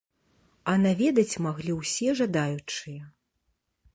А на ведаць маглі ўсе жадаючыя.